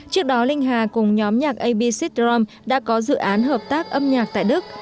trước đó linh hà cùng nhóm nhạc a b sindom đã có dự án hợp tác âm nhạc tại đức